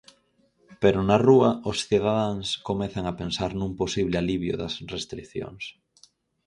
Pero na rúa, os cidadáns comezan a pensar nun posible alivio das restricións.